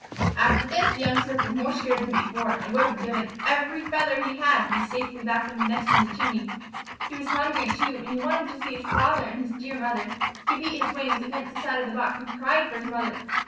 After this the young Swift was more scared than before, and would have given every feather he had to be safely back in the nest in the chimney. He was hungry, too, and he wanted to see his father and his dear mother. He beat his wings against the sides of the box and cried for his mother.